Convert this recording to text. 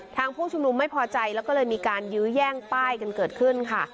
ผู้ชุมนุมไม่พอใจแล้วก็เลยมีการยื้อแย่งป้ายกันเกิดขึ้นค่ะ